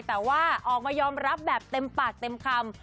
แต่ว่าออกมายอมรับแบบเต็มปากเต็มคำ